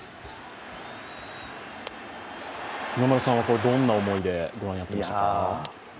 今村さんはどんな思いでご覧になっていましたか？